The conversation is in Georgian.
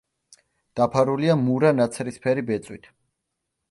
დაფარულია მურა ნაცრისფერი ბეწვით.